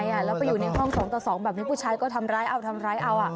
แล้วไปอยู่ในห้อง๒ต่อ๒แบบนี้ผู้ชายก็ทำร้ายเอาทำร้ายเอา